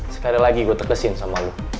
sekali lagi gue terkesin sama lo